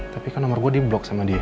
tapi kan nomor gue di blok sama dia